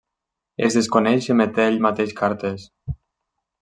Es desconeix si emeté ell mateix cartes.